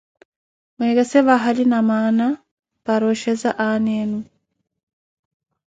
Mweekese vahali namaana para oxheza aana enu.